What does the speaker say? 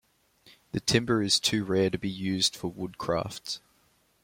The timber is too rare to be used for woodcrafts.